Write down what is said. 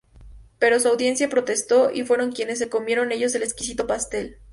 Pero su audiencia protestó y fueron quienes se comieron ellos el exquisito pastel.